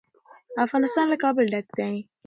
افغانستان له کابل ډک دی.